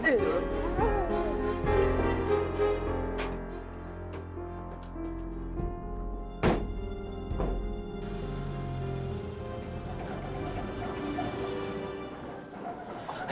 sekarang kita ke sana